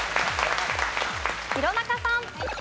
弘中さん。